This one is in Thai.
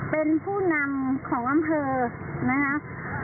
เป็นผู้นำของอำเภอนะครับ